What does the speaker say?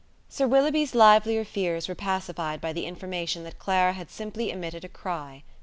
Sir Willoughby's livelier fears were pacified by the information that Clara had simply emitted a cry.